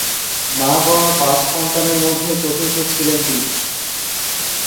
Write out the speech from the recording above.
মা-বাবার পাঁচ সন্তানের মধ্যে চতুর্থ ছিলেন তিনি।